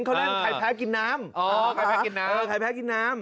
เขาเล่นใครแพ้กินน้ำ